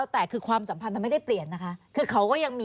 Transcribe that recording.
แต่ความสัมพันธ์ไม่ได้เปลี่ยนนะคะ